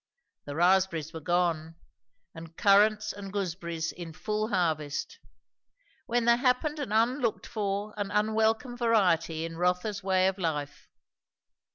The raspberries were gone, and currants and gooseberries in full harvest; when there happened an unlocked for and unwelcome variety in Rotha's way of life.